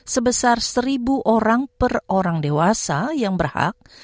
sebesar seribu orang per orang dewasa yang berhak